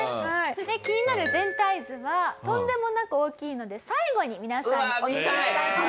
気になる全体図はとんでもなく大きいので最後に皆さんにお見せしたいと思います。